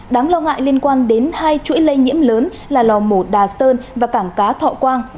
đáng lo ngại liên quan đến hai chuỗi lây nhiễm lớn là lò mổ đà sơn và cảng cá thọ quang